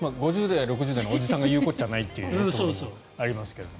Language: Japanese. ５０代、６０代のおじさんが言うことじゃないというのもありますけど。